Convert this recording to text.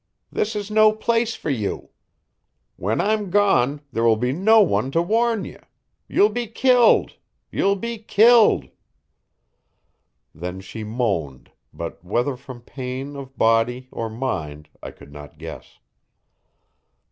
This is no place for you. When I'm gone there will be no one to warn ye. You'll be killed. You'll be killed." Then she moaned, but whether from pain of body or mind I could not guess.